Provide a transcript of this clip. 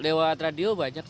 oh lewat radio banyak